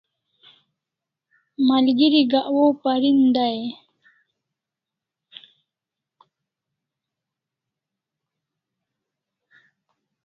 Malgeri gak waw pariu dai e?